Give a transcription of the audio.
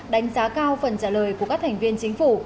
đánh giá cao phần trả lời của các thành viên chính phủ